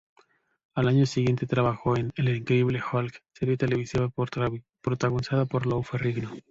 Al año siguiente trabajó en "El increíble Hulk", serie televisiva protagonizada por Lou Ferrigno.